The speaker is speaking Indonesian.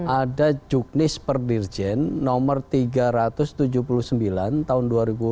ada juknis perdirjen nomor tiga ratus tujuh puluh sembilan tahun dua ribu delapan belas